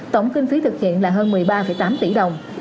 tổng kinh phí thực hiện là hơn một mươi ba tám tỷ đồng